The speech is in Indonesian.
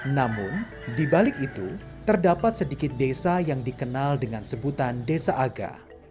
namun dibalik itu terdapat sedikit desa yang dikenal dengan sebutan desa aga